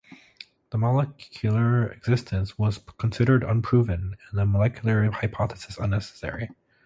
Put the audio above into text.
The molecular existence was considered unproven and the molecular hypothesis unnecessary.